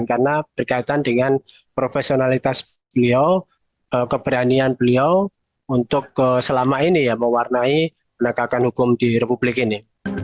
karena berkaitan dengan profesionalitas beliau keberanian beliau untuk selama ini mewarnai penegakan hukum di republik ini